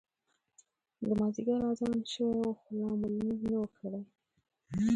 د مازیګر اذان شوی و خو لا مو لمونځ نه و کړی.